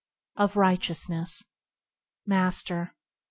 6. Of Righteousness Master.